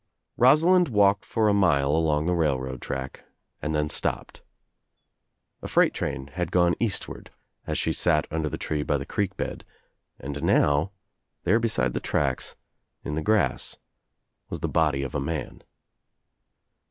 , Rosalind walked for a mile along the railroad track and then stopped. A freight train had gone eastward as she sat under the tree by the creek bed and now, there beside the tracks, In the grass was the body of a man.